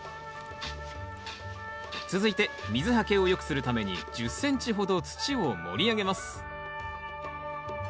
続いて水はけを良くするために１０ｃｍほど土を盛り上げます。